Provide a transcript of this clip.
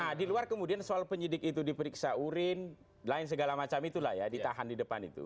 nah di luar kemudian soal penyidik itu diperiksa urin lain segala macam itulah ya ditahan di depan itu